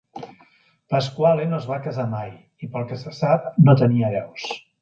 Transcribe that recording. Pasquale no es va casa mai i, pel que se sap, no tenia hereus.